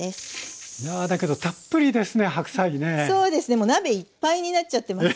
もう鍋いっぱいになっちゃってますよね。